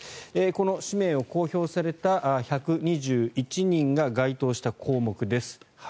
この氏名を公表された１２１人が該当した項目です。